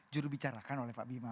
juru bicarakan oleh pak bima